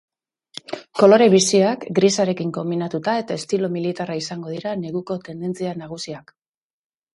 Kolore biziak grisarekin konbinatuta eta estilo militarra izango dira neguko tendentzia nagusiak.